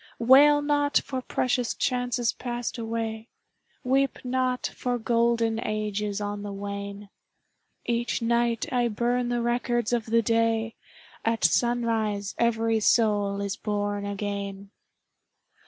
[ 27 ] Selected Poems Wail not for precious chances passed away, Weep not for golden ages on the wane ! Each night I burn the records of the day, — At sunrise every soul is born again